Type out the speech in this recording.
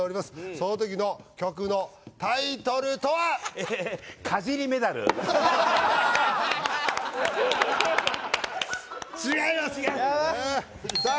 その時の曲のタイトルとは違いますさあ